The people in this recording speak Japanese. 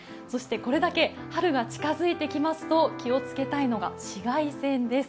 そして、これだけ春が近づいてきますと気をつけたいのが紫外線。